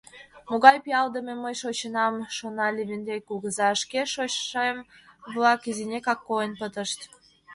«Могай пиалдыме мый шочынам, — шона Левентей кугыза, — шке шочшем-влак изинекак колен пытышт...